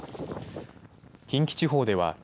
近畿地方では